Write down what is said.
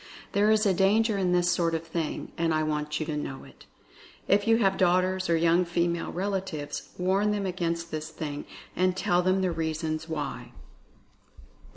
There is a danger in this sort of thing, and I want you to know it. If you have daughters, or young female relatives, warn them against this thing, and tell them the reason why.